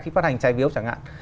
khi phát hành trái phiếu chẳng hạn